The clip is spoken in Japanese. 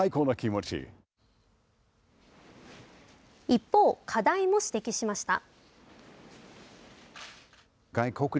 一方、課題も指摘しました。